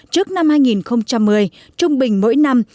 trước năm hai nghìn một mươi trung bình mỗi năm